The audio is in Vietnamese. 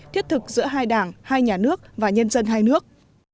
thiết thực giữa hai đảng hai nhà nước và nhân dân hai nước